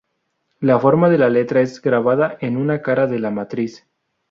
La forma de la letra es grabada en una cara de la matriz.